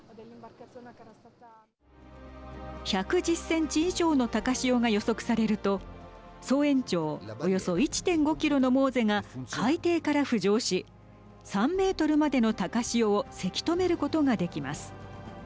１１０センチ以上の高潮が予測されると総延長およそ１．５キロのＭｏＳＥが海底から浮上し３メートルまでの高潮をせき止めることができます。